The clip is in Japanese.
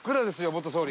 「元総理」。